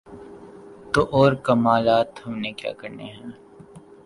تو اور کمالات ہم نے کیا کرنے ہیں۔